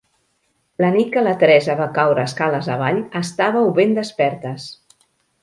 La nit que la Teresa va caure escales avall estàveu ben despertes.